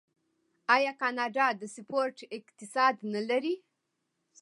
آیا کاناډا د سپورت اقتصاد نلري؟